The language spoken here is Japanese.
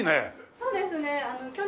そうですね。